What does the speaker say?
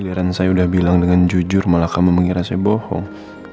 biaran saya udah bilang dengan jujur malah kamu mengira saya bohong